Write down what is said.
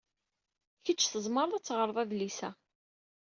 Kecc tzemreḍ ad teɣreḍ adlis-a.